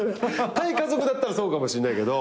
対家族だったらそうかもしれないけど。